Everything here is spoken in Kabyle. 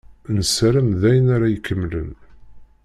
Nessaram d ayen ara ikemmlen.